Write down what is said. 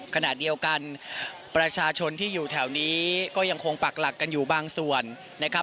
ขณะเดียวกันประชาชนที่อยู่แถวนี้ก็ยังคงปักหลักกันอยู่บางส่วนนะครับ